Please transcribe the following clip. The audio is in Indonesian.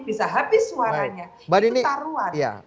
bisa habis suaranya